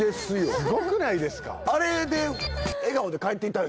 スゴくないですか？